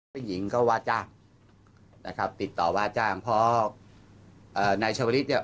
ผู้หญิงก็ว่าจ้างนะครับติดต่อว่าจ้างเพราะเอ่อนายชาวลิศเนี่ย